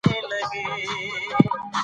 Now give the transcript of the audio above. ډېر کم خلک تر خپل مرګ مخکي خپل ځان مومي.